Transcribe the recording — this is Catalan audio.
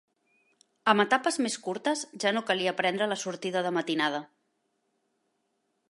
Amb etapes més curtes ja no calia prendre la sortida de matinada.